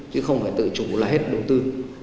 chứ không phải tự chủ là hết đầu tư